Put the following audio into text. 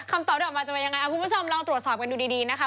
คำตอบที่ออกมาจะเป็นยังไงคุณผู้ชมลองตรวจสอบกันดูดีนะคะ